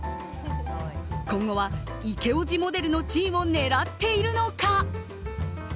今後はイケおじモデルの地位を狙っているのか？